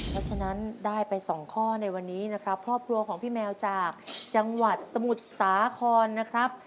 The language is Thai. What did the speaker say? เพราะฉะนั้นได้ไปสองข้อในวันนี้นะครับครอบครัวของพี่แมวจากจังหวัดสมุทรสาครนะครับ